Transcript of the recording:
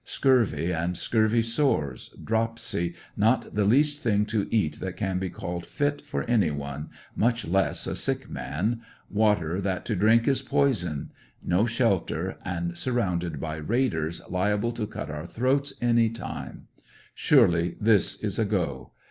Scurvy and scurvy sores, dropsy, not the least thing to eat that can be called fit for any one, much less a sick ANDERSONVILLE DIART, 73 man, water that to drink is poison, no shelter, and surrounded by raiders liable to cut our throats any time Surely, this is a go.